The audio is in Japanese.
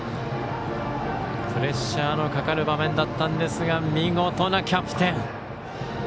プレッシャーのかかる場面だったんですが見事なキャプテン。